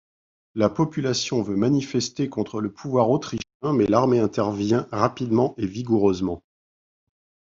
La population veut manifester contre le pouvoir autrichien, mais l'armée intervient rapidement et vigoureusement.